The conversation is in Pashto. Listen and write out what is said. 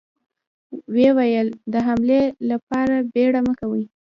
ويې ويل: د حملې له پاره بيړه مه کوئ!